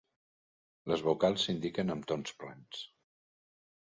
Les vocals s'indiquen amb tons plans.